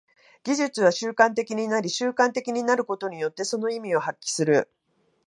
技術は習慣的になり、習慣的になることによってその意味を発揮する。